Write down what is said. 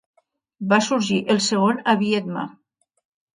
Va sorgir el segon a Viedma.